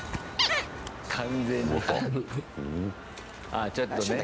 ああ、ちょっとね。